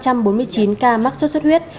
năm trăm bốn mươi chín ca mắc xuất xuất huyết